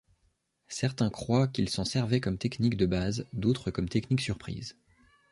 Certains croient qu'il s'en servait comme technique de base, d'autre comme technique-surprise.